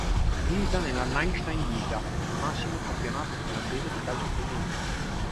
Milita nella Naisten Liiga, il massimo campionato finlandese di calcio femminile.